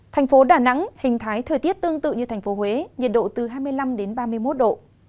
thành phố đà nẵng hình thái thời tiết tương tự như thành phố huế nhiệt độ từ hai mươi năm đến ba mươi một độ